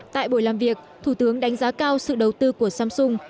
tại buổi làm việc thủ tướng đánh giá cao sự đầu tư của samsung